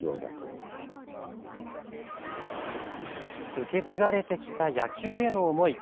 受け継がれてきた野球への思い。